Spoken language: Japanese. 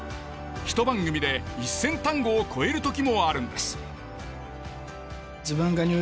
ひと番組で１，０００単語を超える時もあるんです。